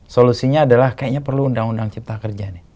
solusinya adalah kayaknya perlu undang undang cipta kerja nih